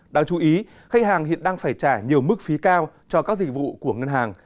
đáng chú ý khách hàng hiện đang phải trả nhiều mức phí cao cho các dịch vụ của ngân hàng